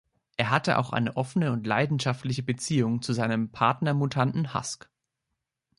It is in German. Er hatte auch eine offene und leidenschaftliche Beziehung zu seinem Partner-Mutanten Husk.